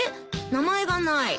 名前がない。